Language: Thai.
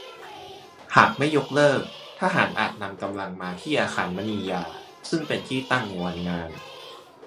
หากไม่ยกเลิกทหารอาจนำกำลังมาที่อาคารมณียาซึ่งเป็นที่ตั้งในวันงาน